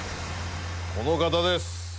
この方です！